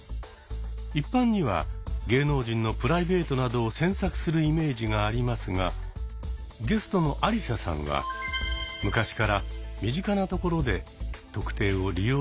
一般には芸能人のプライベートなどを詮索するイメージがありますがゲストのアリサさんは昔から身近なところで「特定」を利用しているそうなんです。